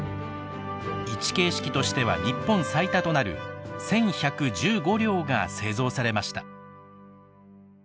一形式としては日本最多となる１，１１５両が製造されました。